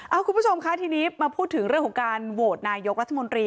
คุณผู้ชมคะทีนี้มาพูดถึงเรื่องของการโหวตนายกรัฐมนตรี